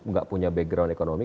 gak punya background ekonomi